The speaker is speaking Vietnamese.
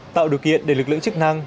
tạo điều kiện để lực lượng chức năng